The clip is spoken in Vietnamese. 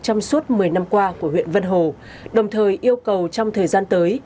trong suốt một mươi năm qua của huyện vân hồ đồng thời yêu cầu trong thời gian tới